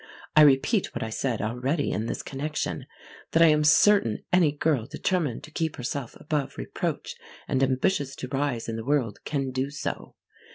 I repeat what I said already in this connection, that I am certain any girl determined to keep herself above reproach and ambitious to rise in the world can do so.